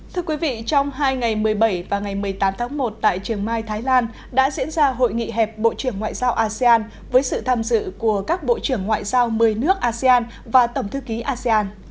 thưa quý vị trong hai ngày một mươi bảy và ngày một mươi tám tháng một tại trường mai thái lan đã diễn ra hội nghị hẹp bộ trưởng ngoại giao asean với sự tham dự của các bộ trưởng ngoại giao một mươi nước asean và tổng thư ký asean